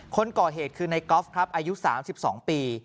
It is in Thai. คนก่อเหตุคือในกอล์ฟครับอายุ๓๒ปี